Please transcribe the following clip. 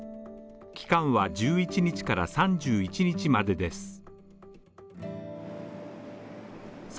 期間は１１日から３１日までです。